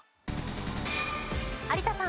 有田さん。